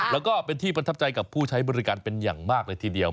แล้วก็เป็นที่ประทับใจกับผู้ใช้บริการเป็นอย่างมากเลยทีเดียว